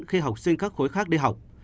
khi học sinh các khối khác đi học